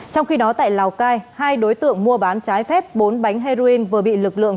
trong khi đó tại lào cai hai đối tượng mua bán trái phép bốn bánh heroin vừa bị lực lượng